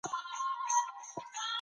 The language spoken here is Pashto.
تاریخي منابع باید معتبر وي.